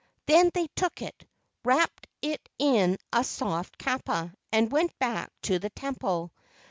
Then they took it, wrapped it in a soft kapa and went back to the temple.